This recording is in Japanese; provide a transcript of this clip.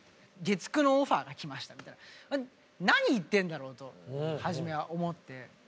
「月９のオファーが来ました」みたいな何言ってるんだろうと初めは思って。